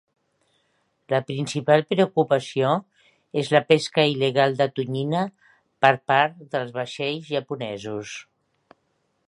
La principal preocupació és la pesca il·legal de tonyina per part dels vaixells japonesos.